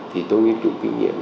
thì tôi nghiên cứu kinh nghiệm